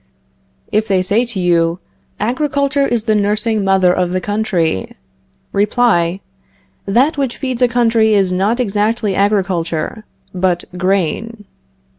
If they say to you: Agriculture is the nursing mother of the country Reply: That which feeds a country is not exactly agriculture, but grain.